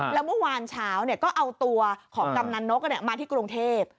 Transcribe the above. แล้วเมื่อวานเช้าก็เอาตัวของกำนันนกมาที่กรุงเทพ